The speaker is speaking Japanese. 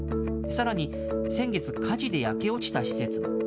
さらに、先月、火事で焼け落ちた施設も。